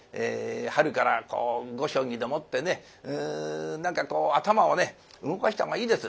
春から碁将棋でもってね何かこう頭をね動かしたほうがいいです。